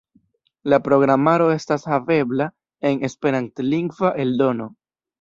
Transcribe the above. La programaro estas havebla en esperantlingva eldono.